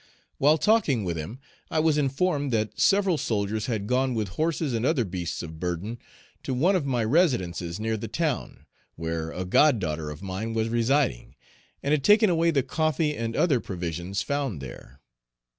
While talking with him, I was informed that several soldiers had gone with horses and other beasts of burden to one of my residences near the town, where a god daughter of mine was residing, and had taken away the coffee and Page 315 other provisions found there.